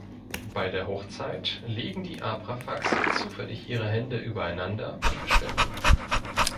Bei der Hochzeit legen die Abrafaxe zufällig ihre Hände übereinander und verschwinden.